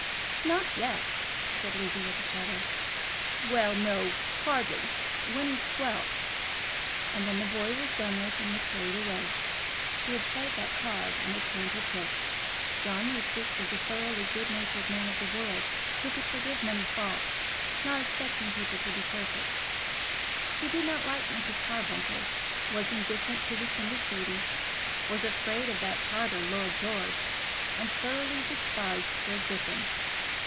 "Not yet," said Lizzie with a shudder. "Well; no; hardly; when he's twelve." And then the boy was done with and was carried away. She had played that card and had turned her trick. John Eustace was a thoroughly good natured man of the world, who could forgive many faults, not expecting people to be perfect. He did not like Mrs. Carbuncle; was indifferent to Lucinda's beauty; was afraid of that Tartar, Lord George; and thoroughly despised Sir Griffin.